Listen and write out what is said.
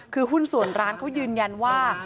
คือหุ้นส่วนร้านเขายืนยันว่า